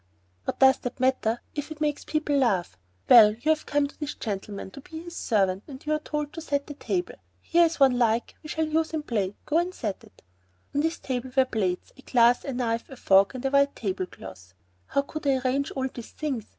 "What does that matter if it makes the people laugh? Well, you have come to this gentleman to be his servant and you are told to set the table. Here is one like we shall use in the play; go and set it." On this table there were plates, a glass, a knife, a fork, and a white tablecloth. How could I arrange all those things?